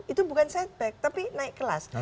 itu bukan setback tapi naik kelas